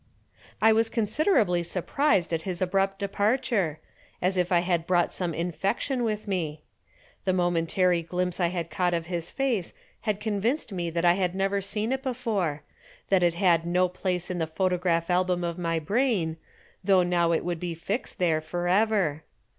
_] I was considerably surprised at his abrupt departure, as if I had brought some infection with me. The momentary glimpse I had caught of his face had convinced me I had never seen it before, that it had no place in the photograph album of my brain, though now it would be fixed there forever.